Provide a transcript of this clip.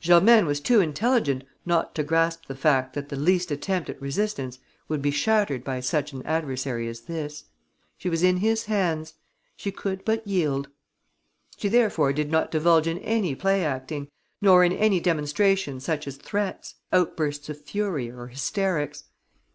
Germaine was too intelligent not to grasp the fact that the least attempt at resistance would be shattered by such an adversary as this. She was in his hands. She could but yield. She therefore did not indulge in any play acting, nor in any demonstration such as threats, outbursts of fury or hysterics.